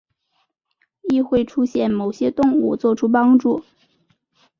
亦会出现某些动物作出帮助。